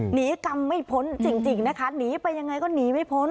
หนีกรรมไม่พ้นจริงนะคะหนีไปยังไงก็หนีไม่พ้น